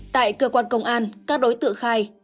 tại cơ quan công an các đối tượng khai